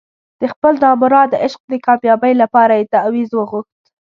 د خپل نامراده عشق د کامیابۍ لپاره یې تاویز وغوښت.